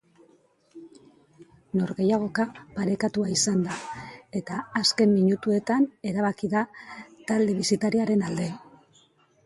Norgehiagoka parekatua izan da, eta azken minutuetan erabaki da talde bisitariaren alde.